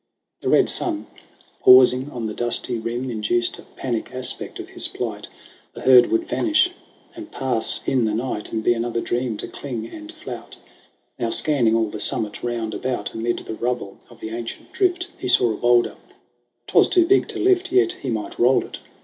The red sun, pausing on the dusty rim, Induced a panic aspect of his plight : The herd would pass and vanish in the night And be another dream to cling and flout. Now scanning all the summit round about, Amid the rubble of the ancient drift He saw a bowlder. 'Twas too big to lift, Yet he might roll it.